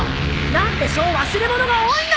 何でそう忘れ物が多いの！